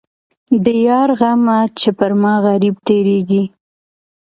د یار غمه چې پر ما غريب تېرېږي.